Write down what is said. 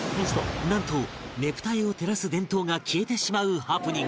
なんとねぷた絵を照らす電灯が消えてしまうハプニング